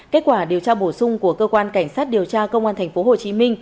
kết quả điều tra bổ sung của cơ quan cảnh sát điều tra công an tp hcm